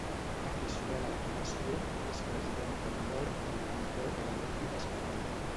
Aficionada a l'equitació, és presidenta d'honor del Comitè Paralímpic espanyol.